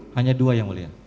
hanya dua yang mulia